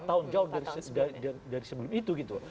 lima tahun jauh dari sebelum itu gitu